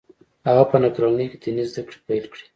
هغه په نهه کلنۍ کې ديني زده کړې پیل کړې